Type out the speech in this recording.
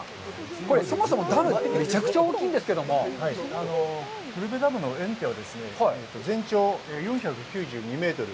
これ、そもそもダムってめちゃくちゃ大きいんですけども、黒部ダムの堰堤は、全長４９２メートル。